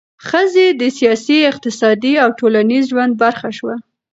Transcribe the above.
ښځې د سیاسي، اقتصادي او ټولنیز ژوند برخه شوه.